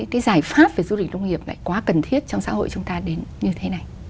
cái giải pháp về du lịch nông nghiệp lại quá cần thiết trong xã hội chúng ta đến như thế này